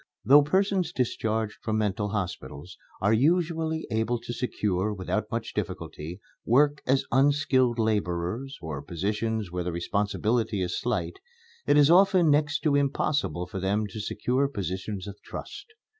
Though persons discharged from mental hospitals are usually able to secure, without much difficulty, work as unskilled laborers, or positions where the responsibility is slight, it is often next to impossible for them to secure positions of trust.